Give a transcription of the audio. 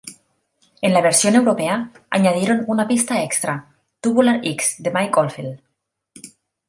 En la versión europea, añadieron una pista extra, "Tubular X" de Mike Oldfield.